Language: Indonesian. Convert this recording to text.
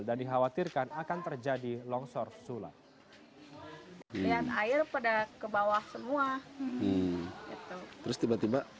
dan dikhawatirkan akan terjadi longsor sulap